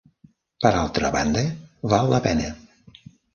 Per altra banda, val la pena.